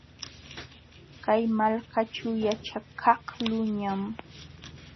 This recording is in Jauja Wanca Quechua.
Kay malkaćhu yaćhakaqluuñam.